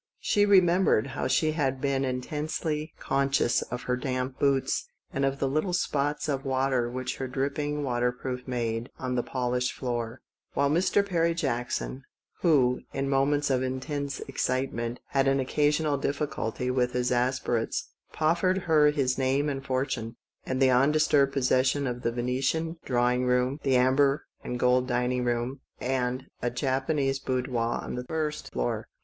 She remembered how she had been intensely conscious of her damp boots, and of the little spots of water which her dripping waterproof made on the polished floor, while Mr. Perry Jackson, who in moments of intense excitement had an occasional difficulty with his aspirates, prof fered her his name and fortune, and the undisturbed possession of the Venetian drawing room, the amber and gold dining room, and a Japanese boudoir on the first floor.